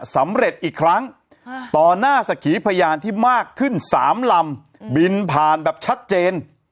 สำเร็จอีกครั้งต่อหน้าสักขีพยานที่มากขึ้น๓ลำบินผ่านแบบชัดเจน